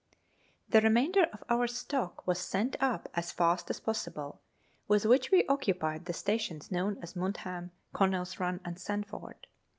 The remainder of our stock was sent up as fast as possible, with which we occupied the stations known as Muntham, Coiinell's run, and Sandford.